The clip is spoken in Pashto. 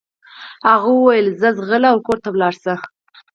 هغه وويل ځه ځغله او کور ته ولاړه شه.